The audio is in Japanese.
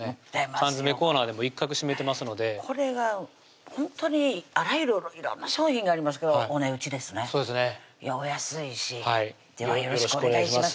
缶詰コーナーでも一角占めてますのでこれがほんとにあらゆる色んな商品がありますけどお値打ちですねお安いしはいではよろしくお願いします